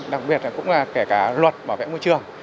đặc biệt là kể cả luật bảo vệ môi trường